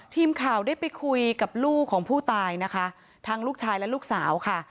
ทีมข่าวได้ไปคุยกับลูกของผู้ตายนะคะทั้งลูกชายและลูกสาวค่ะ